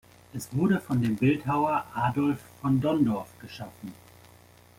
Es wurde von dem Bildhauer Adolf von Donndorf geschaffen.